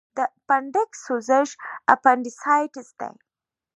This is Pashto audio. د اپنډکس سوزش اپنډیسایټس دی.